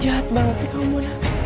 jahat banget sih kamu